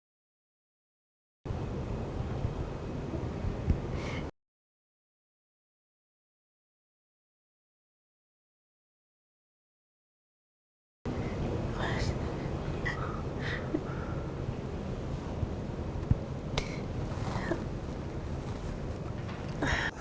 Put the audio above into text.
tapi kamu regions yang maha baik